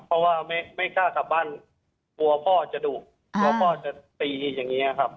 เพราะว่าไม่กล้ากลับบ้านกลัวพ่อจะดุกลัวพ่อจะตีอย่างนี้ครับ